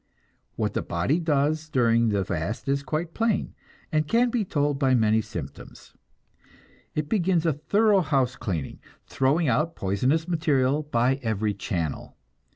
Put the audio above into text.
What the body does during the fast is quite plain, and can be told by many symptoms. It begins a thorough house cleaning, throwing out poisonous material by every channel.